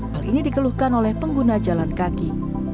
hal ini dikeluhkan oleh pengguna jalan kaki